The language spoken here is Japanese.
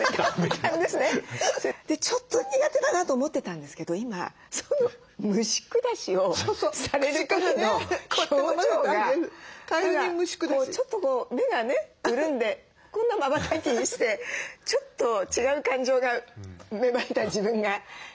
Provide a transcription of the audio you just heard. ちょっと苦手だなと思ってたんですけど今虫下しをされる時の表情がちょっとこう目がね潤んでこんなまばたきしてちょっと違う感情が芽生えた自分がいました。